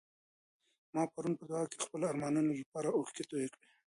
ما پرون په دعا کي د خپلو ارمانونو لپاره اوښکې تویې کړې.